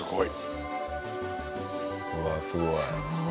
うわっすごい。